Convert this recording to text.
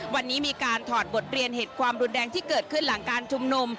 วันนี้มีการถอดบทเรียนเหตุความรุนแรงที่เกิดขึ้นหลังการชุมนุม